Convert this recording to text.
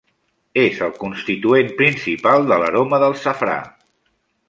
És el constituent principal de l'aroma del safrà.